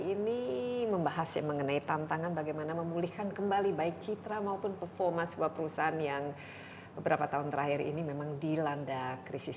ini membahas ya mengenai tantangan bagaimana memulihkan kembali baik citra maupun performa sebuah perusahaan yang beberapa tahun terakhir ini memang dilanda krisis